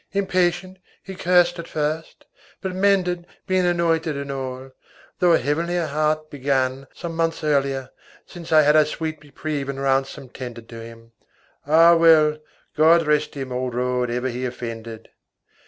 Impatient, he cursed at first, but mended Being anointed and all; though a heavenlier heart began some Months earlier, since I had our sweet reprieve and ransom Tendered to him. Ah well, God rest him all road ever he offended!